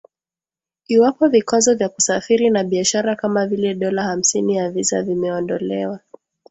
Iwapo vikwazo vya kusafiri na biashara kama vile dola hamsini ya visa vimeondolewa.